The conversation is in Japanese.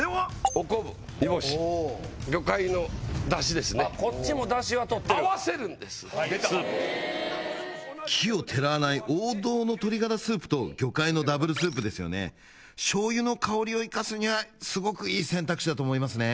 お昆布煮干し魚介の出汁ですねあっこっちも出汁はとってるへぇ気を衒わない王道の鶏ガラスープと魚介のダブルスープですよねしょう油の香りを生かすにはすごくいい選択肢だと思いますね